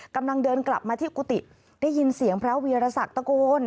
กำลังเดินกลับมาที่กุฏิได้ยินเสียงพระวีรศักดิ์ตะโกน